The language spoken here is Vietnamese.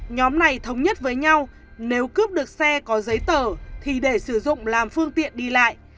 nhóm này thống nhất với nhau nếu cướp được xe có giấy tờ thì để sử dụng làm phương tiện đi lại